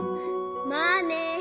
まあね。